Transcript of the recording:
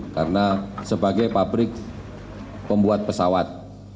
karena sebagai pabrik pembuat pesawat